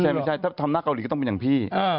ใช่ไม่ใช่ถ้าทำหน้าเกาหลีก็ต้องเป็นอย่างพี่